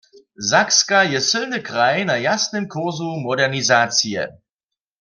Sakska je sylny kraj na jasnym kursu modernizacije.